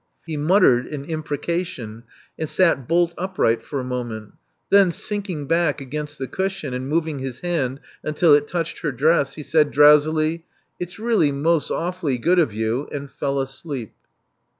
He muttered an imprecation, and sat Ivlt upright for a moment Then, sinking back as^ainst the cushion, and moving his hand until it tvniohod her dress, he said drowsily, "It's really mos' Awf'ly good of you;" and fell asleep.